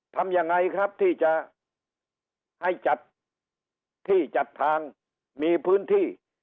ทำยังไงครับที่จะให้จัดที่จัดทางมีพื้นที่